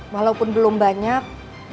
walaupun belum banyak